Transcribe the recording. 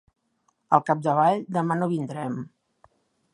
Al capdavall demà no vindrem.